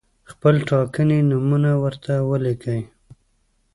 خپل ټاکلي نومونه ورته ولیکئ.